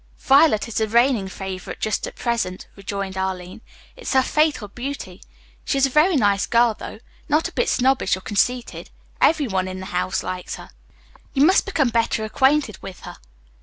"Violet is the reigning favorite just at present," rejoined Arline. "It's her fatal beauty. She is a very nice girl, though. Not a bit snobbish or conceited. Everyone in the house likes her. You must become better acquainted with her."